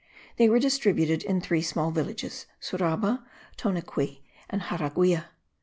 They were distributed in three small villages, Suraba, Toanequi and Jaraguia.